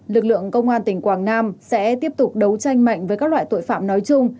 lực lượng công an tỉnh quảng nam sẽ tiếp tục đấu tranh mạnh với các loại tội phạm nói chung